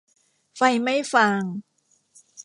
ไฟไหม้ฟาง